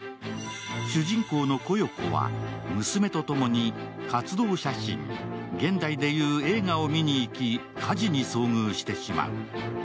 主人公の古代子は娘とともに活動写真、現代でいう映画を見に行き火事に遭遇してしまう。